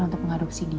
untuk mengadopsi dia